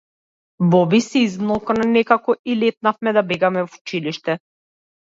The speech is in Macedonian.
Боби се измолкна некако и летнавме да бегаме в училиште.